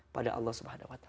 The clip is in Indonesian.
pada allah swt